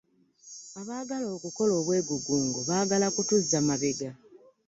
Abaagala okukola obwegugungo baagala kutuzza mabega.